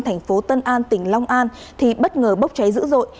thành phố tân an tỉnh long an thì bất ngờ bốc cháy dữ dội